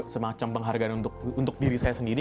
semacam penghargaan untuk diri saya sendiri